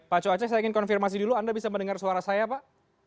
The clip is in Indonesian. pak coace saya ingin konfirmasi dulu anda bisa mendengar suara saya pak